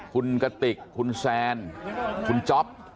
คุณกติกคุณแซนคุณจ๊อป